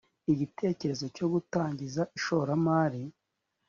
igitekerezo cyo gutangiza ishoramari